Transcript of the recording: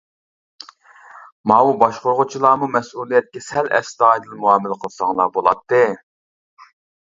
ماۋۇ باشقۇرغۇچىلارمۇ مەسئۇلىيەتكە سەل ئەستايىدىل مۇئامىلە قىلساڭلار بولاتتى.